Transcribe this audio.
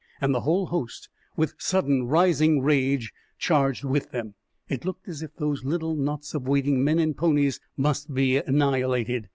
And the whole host, with sudden rising rage, charged with them. It looked as if those little knots of waiting men and ponies must be annihilated.